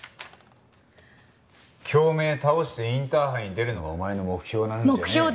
京明倒してインターハイに出るのがお前の目標なんじゃねえの。